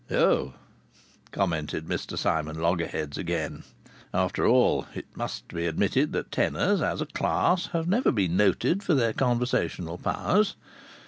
"Oh!" commented Mr Simon Loggerheads again. (After all, it must be admitted that tenors as a class have never been noted for their conversational powers.)